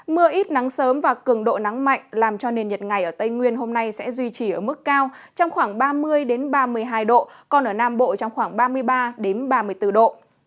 mưa ít nắng sớm và cường độ nắng mạnh làm cho nền nhiệt ngày ở tây nguyên hôm nay sẽ duy trì ở mức cao trong khoảng ba mươi ba mươi hai độ còn ở nam bộ trong khoảng ba mươi ba ba mươi bốn độ